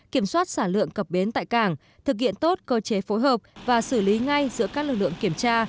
kiểm soát sản lượng cập bến tại cảng thực hiện tốt cơ chế phối hợp và xử lý ngay giữa các lực lượng kiểm tra